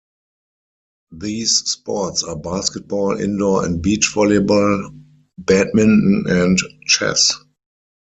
These sports are basketball, indoor and beach volleyball, badminton, and chess.